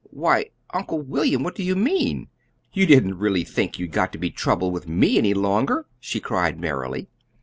Why, Uncle William, what do you mean? You didn't really think you'd got to be troubled with ME any longer!" she cried merrily.